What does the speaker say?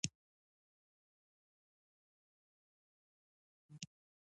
دا نور په نمونه لګیږي او په رنګ کې زیاتوالی راولي.